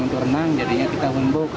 untuk renang jadinya kita humbok